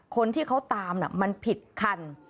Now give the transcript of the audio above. คนที่เขาตามมันผิดคัน